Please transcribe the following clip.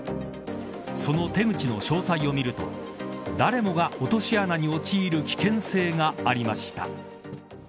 その手口の詳細を見ると誰もが落とし穴に陥る危険性がありました。